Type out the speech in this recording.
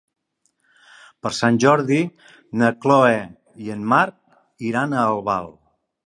Per Sant Jordi na Chloé i en Marc iran a Albal.